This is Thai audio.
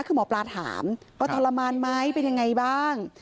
คือหมอปลาถามว่าทรมานไหมเป็นยังไงบ้าง